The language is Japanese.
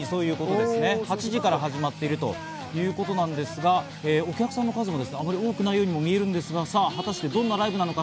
８時から始まっているということなんですけど、お客さんの数もあまり多くないようには見えるんですが、どんなライブなのか。